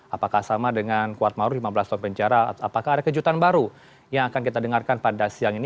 apakah sama dengan kuat maruf lima belas tahun penjara apakah ada kejutan baru yang akan kita dengarkan pada siang ini